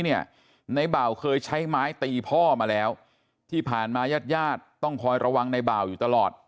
ในบ่าวเคยใช้ไม้ตีพ่อมาแล้วที่ผ่านมาญาติญาติต้องคอยระวังในบ่าวอยู่ตลอด